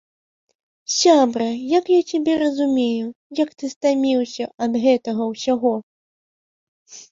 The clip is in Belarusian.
Сябра, як я цябе разумею, як ты стаміўся ад гэтага ўсяго!